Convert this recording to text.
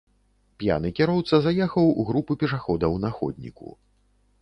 П'яны кіроўца заехаў у групу пешаходаў на ходніку.